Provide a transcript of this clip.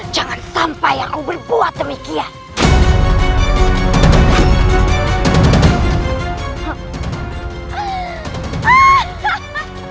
jangan sampai aku berbuat demikian